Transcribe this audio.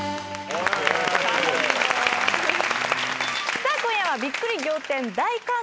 さあ今夜はびっくり仰天大感動